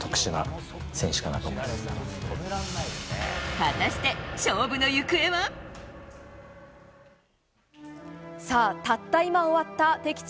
果たして、勝負の行方は。たった今終わった敵地